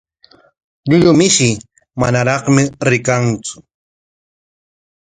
Llullu mishi manaraqmi rikanku.